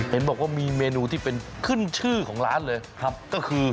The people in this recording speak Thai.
เห็นบอกว่ามีเมนูที่เป็นขึ้นชื่อของร้านเลยครับก็คือ